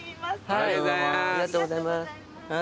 ありがとうございます。